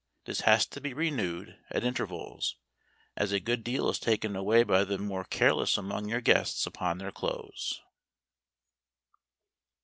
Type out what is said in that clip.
This has to be renewed at intervals, as a good deal is taken away by the more careless among your guests upon their clothes.